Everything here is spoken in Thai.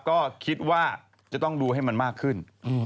ก็คิดว่าจะต้องดูให้มันมากขึ้น